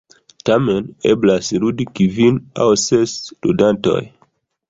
Tamen, eblas ludi kvin aŭ ses ludantoj.